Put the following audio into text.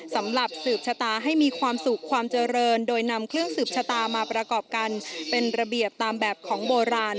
สำหรับสืบชะตาให้มีความสุขความเจริญโดยนำเครื่องสืบชะตามาประกอบกันเป็นระเบียบตามแบบของโบราณ